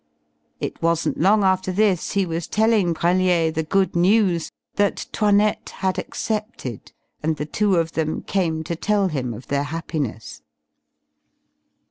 It wasn't long after this he was telling Brellier the good news that 'Toinette had accepted, and the two of them came to tell him of their happiness.